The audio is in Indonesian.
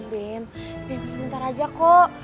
bim sebentar aja kok